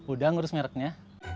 udah ngurus mereknya